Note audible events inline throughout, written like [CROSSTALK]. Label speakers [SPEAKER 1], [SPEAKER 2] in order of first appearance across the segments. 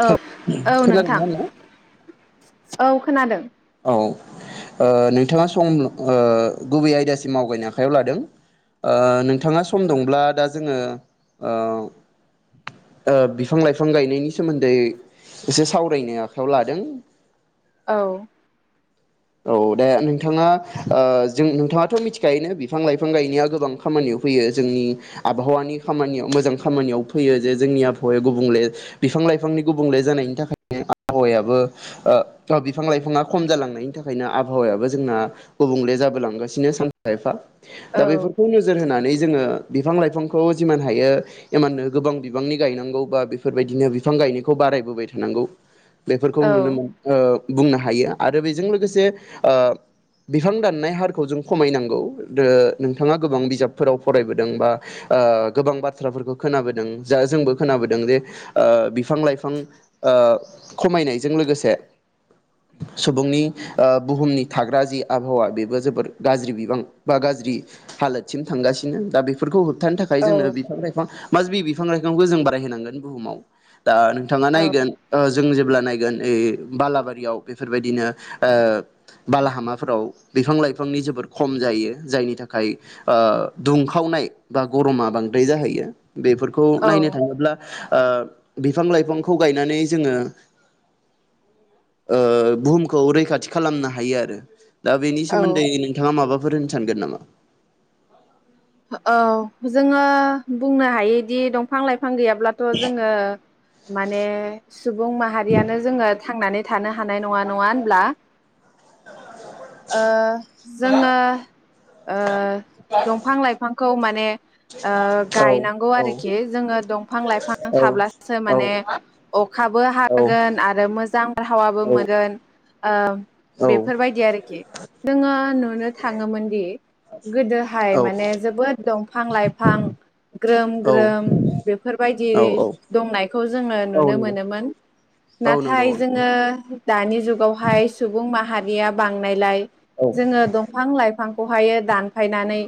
[SPEAKER 1] औ
[SPEAKER 2] हेल
[SPEAKER 1] औ
[SPEAKER 2] खोनादों
[SPEAKER 1] नोंथां
[SPEAKER 2] ना नों
[SPEAKER 1] औ खोनादों
[SPEAKER 2] औ ओ नोंथाङा सम ओ गुबै आयदासिम आवगायनो आखायाव लादों ओ नोंथाङा सम दंब्ला दा जोङो ओ ओ बिफां लाइफां गायनायनि सोमोन्दै एसे सावरायनो आखायाव लादों
[SPEAKER 1] औ
[SPEAKER 2] औ दा नोंथाङा ओ जों नोंथाङाथ' मिथिखायोनो बिफां-लाइफां गायनाया गोबां खामानियाव फैयो जोंनि आबहावानि खामानियाव मोजां खामानियाव फैयो जे जोंनि आबहावाया गुबुंले बिफां लाइफांनि गुबुंले जानायनि थाखायनो आबहावायाबो ओ बिफां- लाइफाङा खम जालांनायनि बेनि थाखायनो आबहावायाबो जोंना गुबुंले जाबो लांगासिनो सानफा एफा
[SPEAKER 1] औ
[SPEAKER 2] दा बेफोरखौ नोजोर होनानै जोङो बिफां-लाइफांखौ जिमान हायो इमाननो गोबां बिबांनि गायनांगौ बा बेफोरबायदिनो बिफां गायनायखौ बारायबोबाय थानांगौ बेफोरखौ नुनो मोनो ओ बुंनो हायो आरो बेजों लोगोसे जे ओ बिफां दाननाय हारखौ जों खमायनांगौ ओ नोंथाङा गोबां बिजाबफोराव फरायबोदों बा ओ गोबां बाथ्राफोरखौ खोनाबोदों जा जोंबो खोनाबोदों जे ओ बिफां लाइफां ओ खमायनायजों लोगोसे सुबुंनि ओ बुहुमनि थाग्रा जि आबहावा बेबो जोबोर गाज्रि बिबां बा गाज्रि हालोदसिम थांगासिनो दा बेफोरखौ होबथानो थाखाय
[SPEAKER 1] औ
[SPEAKER 2] जोंनो बिफां-लाइफां मास बि-बिफां लाइफांखौ जों बाराय होनांगोन बुहुमाव दा नोंथाङा
[SPEAKER 1] औ
[SPEAKER 2] नायगोन ओ जों जेबो अब्ला नायगोन ओइ बालाबारियाव बेफोरबायदिनो ओ बालाहामाफोराव बिफां-लाइफांनि जोबोद खम जायो जायनि थाखाय ओ दुंखावनाय बा गरमा बांद्राय जाहैयो बेफोरखौ
[SPEAKER 1] औ
[SPEAKER 2] नायनो थाङोब्ला ओ बिफां-लाइफांखौ गायनानै जोङो ओ बुहुमखौै रै रैखाथि खालामनो हायो आरो दा बेनि
[SPEAKER 1] औ
[SPEAKER 2] सोमोन्दै नोंथाङा माबाफोर होन सानगोन नामा?
[SPEAKER 1] औ जोङो बुंनो हायोदि दंफां लाइ फां गैयाब्लाथ' जोङो माने सुबुं माहारियानो जोङो थांनानै थानो हानाय नङा नङा होनब्ला ओ जोङो ओ दंफां लाइ खौ माने ओ
[SPEAKER 2] औ
[SPEAKER 1] गायनांगौ
[SPEAKER 2] औ
[SPEAKER 1] आरोखि जोङो दंफां लाइफां
[SPEAKER 2] औ
[SPEAKER 1] थाब्लासो माने
[SPEAKER 2] औ
[SPEAKER 1] अखाबो
[SPEAKER 2] औ
[SPEAKER 1] हागोन आरो मोजां बारहावाबो
[SPEAKER 2] औ
[SPEAKER 1] मोनगोन ओ
[SPEAKER 2] औ
[SPEAKER 1] बेफोरबायदि आरोखि नोङो नुनो थाङोमोन दि गोदोहाय माने जोबोद दफां-लाइफां ग्रोम ग्रोम बेफोरबायदि
[SPEAKER 2] औ
[SPEAKER 1] दंनायखौ जोङो
[SPEAKER 2] औ
[SPEAKER 1] नुनो
[SPEAKER 2] नंगौ
[SPEAKER 1] मोनो मोन
[SPEAKER 2] औ नंगौ
[SPEAKER 1] नाथाय जोङो दानि जुगावहाय सुबुं माहारिया बांनायलाय
[SPEAKER 2] औ
[SPEAKER 1] जोङो दंफां लाइ फांखौहायो दानफायनानै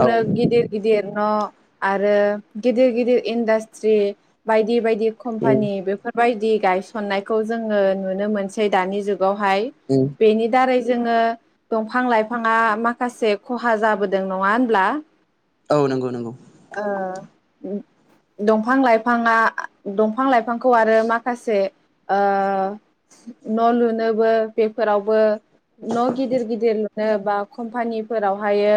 [SPEAKER 2] औ
[SPEAKER 1] गिदिर गिदिर न' आरो गिदिर गिदिर इन्डास्ट्रि बाय बायदि बायदि
[SPEAKER 2] उम
[SPEAKER 1] कम्पानि बेफोरबायदि गायसननायखौ जोङो नुनो मोनसै दानि जुग गावहाय
[SPEAKER 2] उम
[SPEAKER 1] बेनि दारै जोङो दंफां लाइफाङा माखासे खहा जाबो दों नङा होनब्ला?
[SPEAKER 2] औ नंगौ नंगौ
[SPEAKER 1] [INAUDIBLE] ओ उम। दंफां लाइफाङा दंफां लाइफांखौ आरो माखासे ओ न' लुनोबो बेफोरावबो न' गिदिर गिदिर लु लुनो बा कम्पानिफोराव हायो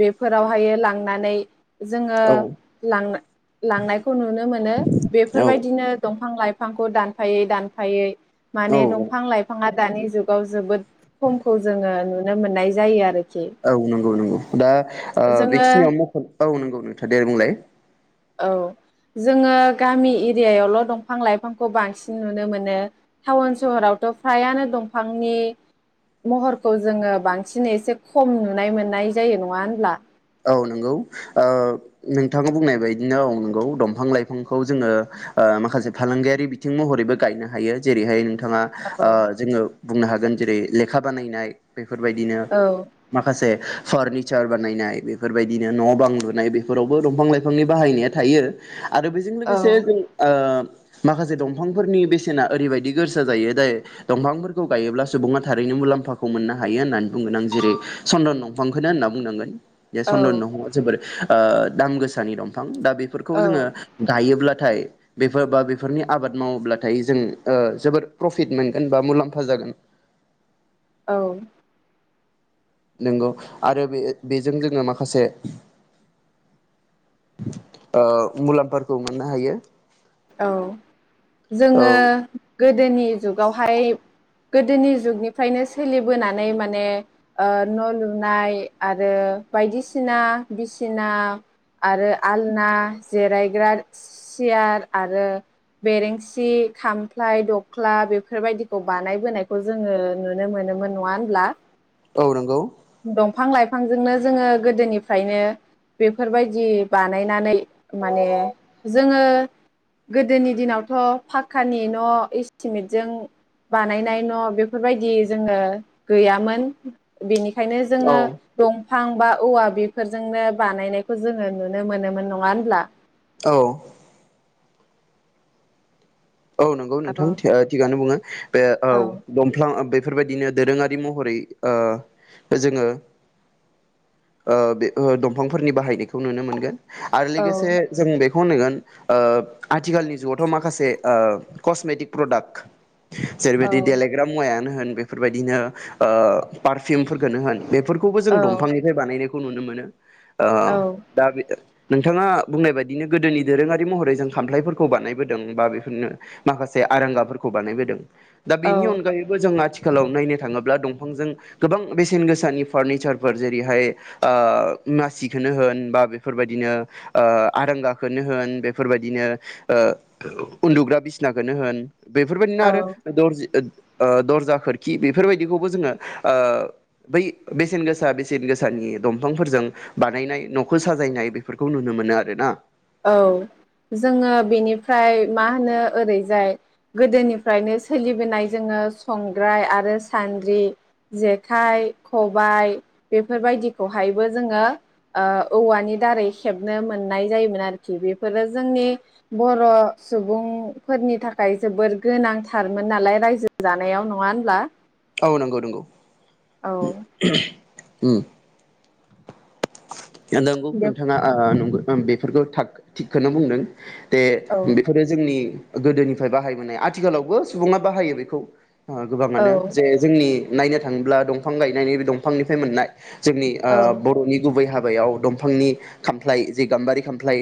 [SPEAKER 1] बेफोरावहायो लांनानै जोङो
[SPEAKER 2] औ
[SPEAKER 1] लां-लांनायखौ नुनो मोनो बेफोर
[SPEAKER 2] औ
[SPEAKER 1] बायदिनो दंफां लाइ बिफांखौ दानफायै दानफायै
[SPEAKER 2] औ
[SPEAKER 1] माने दंफां लाइफाङा दानि जुगाव जोबोद खमखौ जोङो नुनो मोननाय जायो आरो
[SPEAKER 2] औ नंगौ नंगौ। दा ओ
[SPEAKER 1] जोङो
[SPEAKER 2] बेखिनियाव मख'नो औ नंगौ नोंथां दे बुंलाय।
[SPEAKER 1] औ जोङो गामि एरियायावल' दंफां लाइफांखौ बांसिन नुनो मोनो। टाउन सहरावथ' फ्रायानो दंफांनि महरखौ जोङो बांसिन एसे खम नुनाय मोननाय जायो नङा होनब्ला?
[SPEAKER 2] औ नंगौ ओ नोंथाङा बुंनाय बायदिनो औ नंगौ दंफां लाइफांखौ जोङो ओ माखासे फालांगियारि बिथिं महरैबो गायनो हायो जेरैहाय नोंथाङा
[SPEAKER 1] औ
[SPEAKER 2] ओ जोङो बुंनो हागोन जेरै लेखा बानायनाय बे बेफोरबायदिनो माखासे फारनिचार बानायनाय बेफोरबायदिनो न' बां लुनाय बेफोरावबो दंफां लाइफांनि बाहायनाया थायो। आरो बेजों
[SPEAKER 1] औ
[SPEAKER 2] लोगोसे जों ओ माखासे दंफांफोरनि बेसेना ओरैबायदि गोरसा जायो दायो दंफांफोरखौ गायोब्ला सुबुङा थारैनो मुलाम्फाखौ मोननो हायो होननानै बुंगोन आं जेरै चन्दन दंफांखौनो होनना बुंनांगोन। बे
[SPEAKER 1] औ
[SPEAKER 2] चन्दन दंफांआ जोबोरै ओ दाम गोसानि दंफां दा बेफोरखौ जोङो
[SPEAKER 1] औ
[SPEAKER 2] गायोब्ला थाय बेफोर बा बेफोरनि आबाद मावोब्लाथाय जों ओ जोबोर प्रफिट मोनगोन बा मुलाम्फा जागोन।
[SPEAKER 1] औ।
[SPEAKER 2] नंगौ आरो बे बेजों जोङो माखासे ओ मुलामफोरखौ मोननो हायो।
[SPEAKER 1] औ
[SPEAKER 2] औ
[SPEAKER 1] जोङो गोदोनि जुगावहाय गोदोनि जुगनिफ्रायनो सोलिबोनानै माने ओ न' लुनाय आरो बायदिसिना बिसिना आरो आलना, जिरायग्रा, सियार आरो बेरेंसि खामफ्लाय दख्ला बेफोरबायदिखौ बानायबोनायखौ जोंङो नुनो मोनोमोन नंङा होमब्ला
[SPEAKER 2] औ नंगौ
[SPEAKER 1] दंफां लाइफांजोंनो जोंङो गोदोनिफ्रायनो बेफोरबायदि बानायनानै माने जोंङो गोदोनि दिनावथ‌ फाक्कानि न' इस्टिमेटजों बानायनाय न' बेफोरबायदि जोंङो गैयामोन बेनि ओंखायनो
[SPEAKER 2] औ
[SPEAKER 1] जोंङो दं बिफां बा औवा बेफोरजोंनो बानायनायखौ जोंङो नुनो मोनोमोन नङा होमब्ला
[SPEAKER 2] औ औ नंगौ नोंथां थि थिगानो बुंङो बे औ दंफ्लां बेफोरबायदिनो दोरोंङारि महरै ओ जोंङो ओ बे दंफांफोरनि बाहायनायखौ नुनो मोनगोन आरो
[SPEAKER 1] औ
[SPEAKER 2] लोगोसे जों बे होनगोन ओ आथिखालनि जुगावथ माखासे ओ कस्मेटिक प्रडाक्ट जेरैबायदि देलेग्रा मुवायानो होन बेफोरबायदिनो ओ पारफिमफोरखौनो होन बेफोरखौबो जों दंफांनिफ्राय बानायनाय खौ नुनो मोनो अ
[SPEAKER 1] औ
[SPEAKER 2] दा बे नोंथाङा बुंनाय बायदिनो गोदोनि दोरोंङारि महरै जों खामफ्लायफोरखौ बानायबोदों बा नो माखासे आरांगाफोरखौ बानायबोदों दा बेनि
[SPEAKER 1] औ
[SPEAKER 2] अनगायैबो जोंना थि आथिखालाव नायनो थांङोब्ला दंफांजों गोबां बेसेन गोसानि फारनिचारफोर जेरैहाय ओ मासिखोनो होन बा बेफोरबायदिनो आरांगाखोनो होन बेफोरबायदिनो ओ उन्दुग्रा बिसनाखौनो होन बेफोरबायदिनो आरो
[SPEAKER 1] औ
[SPEAKER 2] दरजि ओ दरजा खोरखि बेफोरबायदिखौबो जोंङो ओ बै बेसेन गोसा बेसेन गोसानि दंफांफोरजों बानायनाय न'खौ साजायनाय बेफोरखौ नुनो मोनो आरोना
[SPEAKER 1] औ जोंङो बेनिफ्राय मा होनो ओरैजाय गोदोनिफ्रायनो सोलिबोनाय जोंङो संग्राय आरो सान्द्रि जेखाइ खबाइ बेफोर बायदिखौहायबो जोऔङो औवानि दारै खेबनो मोननाय जायोमोन आरो आरोखि बेफोरो जोंनि बर' सुबुंफोरनि थाखाय जोबोर गोनांथारमोन नालाय रायजो जानायाव नौङा होनब्ला
[SPEAKER 2] औ नंगौ नंगौ
[SPEAKER 1] औ
[SPEAKER 2] उम उम नंगौ नोंथाङा ओ नंगौ बेफोरखौ था थिगखौनो बुंदों बे
[SPEAKER 1] औ
[SPEAKER 2] बेफोरो जोंनि गोदोनिफ्राय बाहायबोनाय आथिखालावबो सुबुंङा बाहायो बेखौ
[SPEAKER 1] औ
[SPEAKER 2] गोबांङानो जे जोंनि नायनो थांङोब्ला दंफां गायनायनि बे दंफांनिफ्राय मोननाय जोंनि ओ
[SPEAKER 1] औ
[SPEAKER 2] बर'नि गुबै हाबायाव दंफांनि खामफ्लाय जे गाम्बारि खामफ्लाय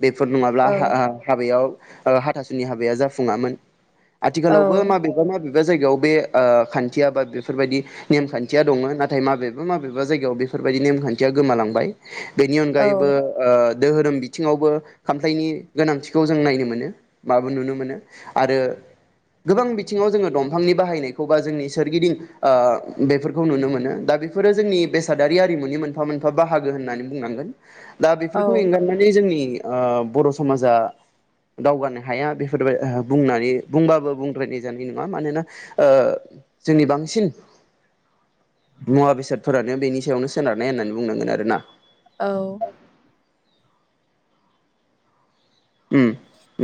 [SPEAKER 2] बेफोर नङाब्ला
[SPEAKER 1] औ
[SPEAKER 2] हा हा हाबायाव ओ हाथासुनि हाबाया जाफुङामोन
[SPEAKER 1] औ
[SPEAKER 2] आथिखालावबो माबेबा माबे बा जायगायाव बे ओ खान्थिया बा बेफोर बायदि नेम खान्थिया दङ नाथाय माबेबा माबेबा जायगायाव बेफोरबायदि नेम खान थिया गोमालांबाय बेनि
[SPEAKER 1] औ
[SPEAKER 2] अनगायैबो ओ दोहोरोम बिथिङावबो खामफ्लायनि गोनांथिखौ जों नायनो मोनो बा नुनो मोनो आरो गोबां बिथिङाव जोङो दंफांनि बाहायनायखौ बा जोंनि सोरगिदिं ओ बेफोरखौ नुनो मोनो दा बेफोरो जोंनि बेसादारि आरिमुनि मोन मोनफा मोनफा बाहागो होननानै बुंनांगोन दा
[SPEAKER 1] औ
[SPEAKER 2] बेफोरखौ एंगारनानै जोंनि ओ बर' समाजा दावगानो हाया बेफोरबाय बुंनानै बुंबाबो बुंद्रायनाय ओ जानाय नङा मानोना ओ जोंनि बांसिन मुवा बेसादफोरानो बेनि सायावनो सोनार नाय बुंनांगोन आरो ना
[SPEAKER 1] औ
[SPEAKER 2] उम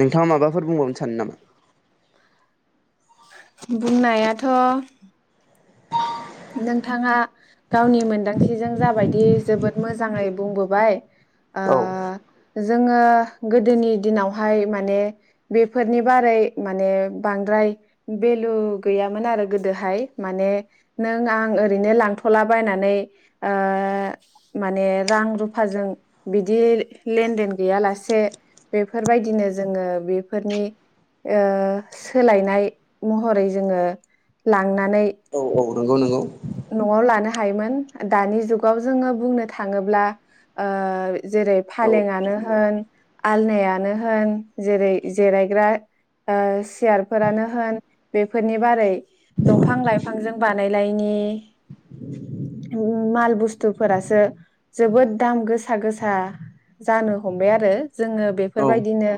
[SPEAKER 2] नोंथाङा माबाफोर बुंबावनो सानो नामा?
[SPEAKER 1] बुंनायाथ' नोंथाङा गावनि मोन्दांथिजों जाबाय बाय दि जोबोद मोजाङै बुंबोबाय ओ
[SPEAKER 2] औ
[SPEAKER 1] जोङो गोदोनि दिनावहाय माने बेफोरनि बारै माने बांद्राय भेलु गैयामोन आरो गोदोहाय माने नों आं ओरैनो लांथ'लाबायनानै ओ माने रां रुफाजों बिदि लेनदेन गैया लासे बेफोर बायदिनो जोङो बेफोरनि ओ सोलायनाय महरै जोङो लां नानै
[SPEAKER 2] औ औ नंगौ नंगौ
[SPEAKER 1] न'आव लानो हायोमोन दानि जुगाव जोङो बुंनो थाङोब्ला ओ जेरै
[SPEAKER 2] औ
[SPEAKER 1] फालेंनो होन आलनायानो होन जेरै जिरायग्रा ओ सियारफोरानो होन बेफोरनि बारै दंफां लाइफांजों बानाय नाइनि उम माल बुस्थुफोरासो जोबोद दाम गोसा गोसा जानो हमबाय आरो जोङो
[SPEAKER 2] औ
[SPEAKER 1] बेफोरबायदिनो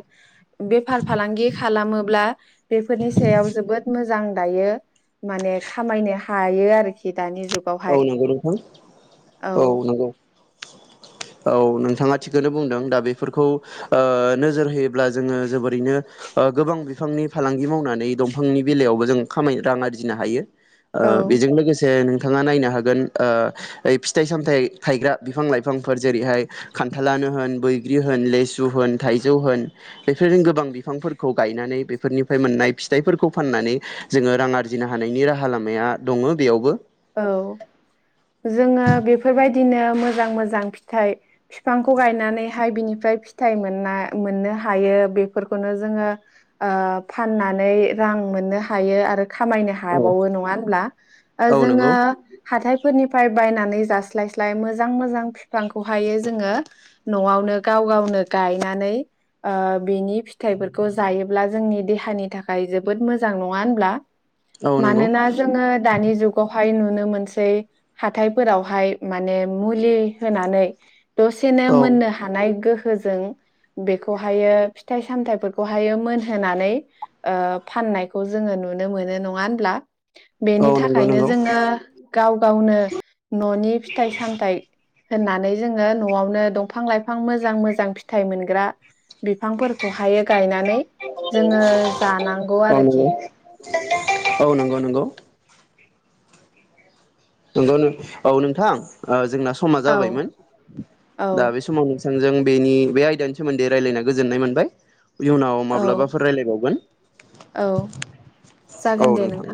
[SPEAKER 1] बेफार फालांगि खालामोब्ला बेफोरनि सायाव जोबोद मो मोजां दायो माने खामायनो हायो आरोखि दानि जुगावहाय
[SPEAKER 2] औ नंगौ नोंथां औ नंगौ औ नोंथाङा थिकखोनो बुंदों दा बेफोरखौ ओ नोजोर होयोब्ला जोङो जोबोरैनो ओ गोबां बिफांनि फालांगि मावनानै दंफांनि बेलायावबो जों खामाय रां आरजिनो हायो ओ
[SPEAKER 1] औ
[SPEAKER 2] बेजों लोगोसे नोंथां नोंथाङा नायनो हागोन ओ फिथाइ सामथाय थायग्रा बिफां लाइफांफोर जेरैहाय खान्थालानो होन बैग्रि होन लेसु होन थाइजौ होन बेफोरजों गोबां बिफांफोरखौ गायनानै बेफोरनिफ्राय मोननाय फिथाइफोरखौ फाननानै जोङो रां आरजिनो हानायनि राहा लामाया दङ बेयावबो
[SPEAKER 1] औ जोङो बेफोरबायदिनो मोजां मोजां फिथाइ बिफांखौ गायनानैहाय बिनिफ्राय फिथाइ मोनना मोननो हायो बेफोरखौनो जोङो ओ फाननानै रां मोननो हायो आरो खामायनो
[SPEAKER 2] औ
[SPEAKER 1] हाबावो नङा होमब्ला
[SPEAKER 2] औ
[SPEAKER 1] जोङो
[SPEAKER 2] नंगौ
[SPEAKER 1] हाथायफोरनिफ्राय बायनाय नानै जास्लाय स्लाय मोजां मोजां फिफांखौ हायो जोङो न'आवनो गाव गावनो गायनानै ओ बिनि फिथाइफोरखौ जायोब्ला जोंनि देहानि थाखाय जोबोद मोजां नङा होनब्ला?
[SPEAKER 2] औ नंगौ
[SPEAKER 1] मानोना जोङो दानि जुग हाय नुनो मोनसै हाथायफोरावहाय माने मुलि होनानै दसेनो
[SPEAKER 2] औ
[SPEAKER 1] मोननो हानाय गोहो फोजों बेखौहायो फिथाइ सामथाइफोरखौहायो मोनहोनानै ओ फाननायखौ जोङो नुनो मोनो नङा होनब्ला?
[SPEAKER 2] औ
[SPEAKER 1] बेनि थाख
[SPEAKER 2] नंगौ
[SPEAKER 1] खायनो
[SPEAKER 2] नंगौ
[SPEAKER 1] जोङो गाव गावनो न'नि फिथाइ सामथाय होननानै जोङो न'आवनो दंफां लाइफां मोजां मोजां फिथाइ मोनग्रा बिफांफोरखौहायो गायनानै जोङो जानांगौ
[SPEAKER 2] औ नंगौ
[SPEAKER 1] आरोखि [UNINTELLIGIBLE]
[SPEAKER 2] औ नंगौ नंगौ। नंगौ नो औ नोंथां ओ जोंनास समा
[SPEAKER 1] औ
[SPEAKER 2] जाबायमोन दा
[SPEAKER 1] औ
[SPEAKER 2] बे समावनोस थांजों बेनि बे आयदानि सोमोन्दै रायलायना गोजोन्नाय मोनबाय। इयुनाव
[SPEAKER 1] औ
[SPEAKER 2] माब्लाबाफोर रायलायबावगोन
[SPEAKER 1] औ
[SPEAKER 2] औ
[SPEAKER 1] जागोन दे
[SPEAKER 2] नोंथां।